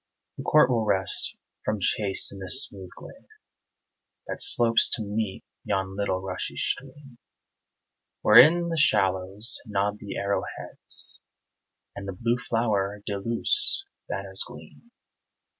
The court will rest from chase in this smooth glade That slopes to meet yon little rushy stream, Where in the shallows nod the arrow heads, And the blue flower de luce's banners gleam.